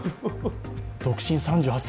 独身３８歳。